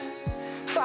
さあ